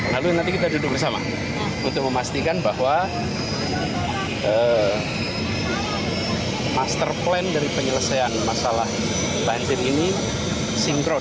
lalu nanti kita duduk bersama untuk memastikan bahwa master plan dari penyelesaian masalah banjir ini sinkron